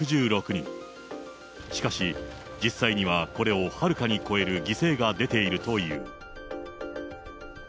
しかし、実際にはこれをはるかに超える犠牲が出ているという。